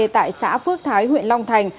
tại xã phước thái huyện long thành